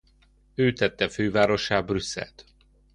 Ő tette fővárossá Brüsszelt.